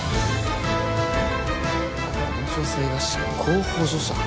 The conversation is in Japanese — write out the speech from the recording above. この女性が執行補助者？